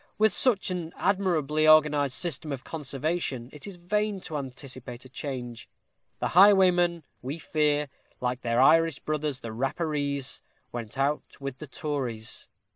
With such an admirably organized system of conservation, it is vain to anticipate a change. The highwaymen, we fear, like their Irish brothers, the Rapparees, went out with the Tories.